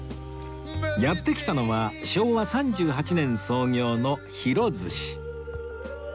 やって来たのは昭和３８年創業のひろ寿司